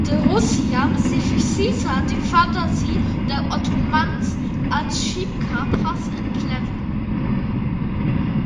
The Russians decisively defeated the Ottomans at Shipka Pass and Pleven.